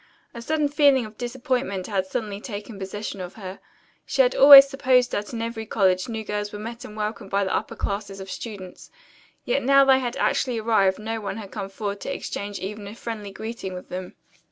A sudden feeling of disappointment had suddenly taken possession of her. She had always supposed that in every college new girls were met and welcomed by the upper classes of students. Yet now that they had actually arrived no one had come forward to exchange even a friendly greeting with them.